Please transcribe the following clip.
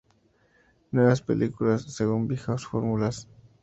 Nuevas películas, según vieja fórmulas.